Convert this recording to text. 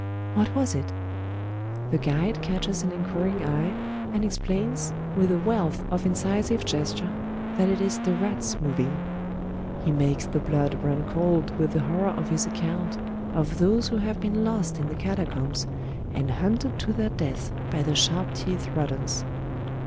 What was it ? The guide catches an inquiring eye, and explains, with a wealth of incisive gesture, that it is the rats moving. He makes the blood run cold with the hor ror of his account of those who have been lost in the cata combs and hunted to their death by the sharp teethed rodents.